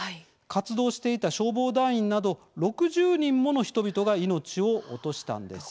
活動していた消防団員など６０人もの人々が命を落としたんです。